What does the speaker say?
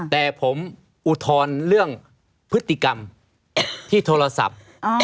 แต่ผมอุทธรณ์เรื่องพฤติกรรมที่โทรศัพท์